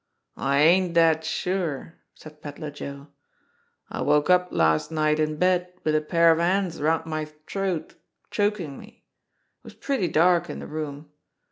"I ain't dead sure," said Pedler Joe. "I woke up last night in bed wid a pair of hands around my t'roat, chokin' me. It was pretty dark in the room.